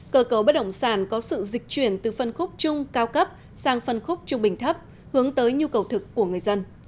cơ cấu bất động sản có sự dịch chuyển từ phân khúc chung cao cấp sang phân khúc trung bình thấp hướng tới nhu cầu thực của người dân